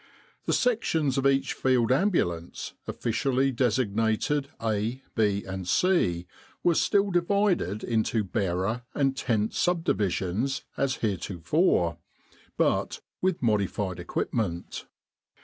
The Sections of each Field Ambulance officially designated A, B, and C were still divided into Bearer and Tent Subdivisions as heretofore, But with modified equipment.